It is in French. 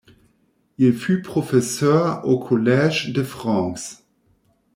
Il fut professeur au Collège de France.